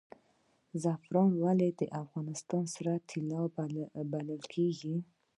زعفران ولې د افغانستان سره طلا بلل کیږي؟